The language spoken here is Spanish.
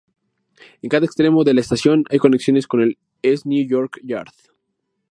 En cada extremo de la estación hay conexiones con el East New York Yard.